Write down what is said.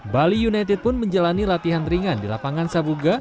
bali united pun menjalani latihan ringan di lapangan sabuga